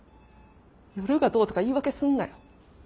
夜がどうとか言い訳すんなよ。